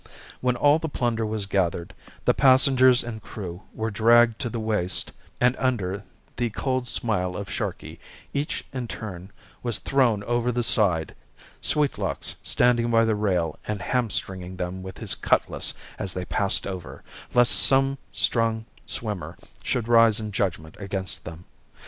When all the plunder was gathered, the passengers and crew were dragged to the waist, and under the cold smile of Sharkey each in turn was thrown over the side Sweetlocks standing by the rail and ham stringing them with his cutlass as they passed over, lest some strong swimmer should rise in judgment against them.